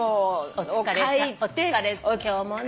お疲れさま今日もね。